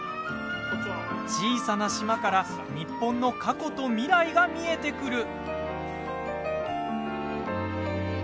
小さな島から日本の過去と未来が見えてくる。